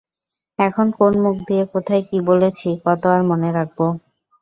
এখন কোন মুখ দিয়ে কোথায় কী বলেছি কত আর মনে রাখবো।